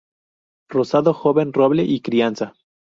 Rosado, Joven, Roble y Crianza.